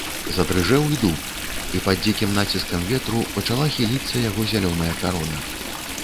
Задрыжэў і дуб, і пад дзікім націскам ветру пачала хіліцца яго зялёная карона.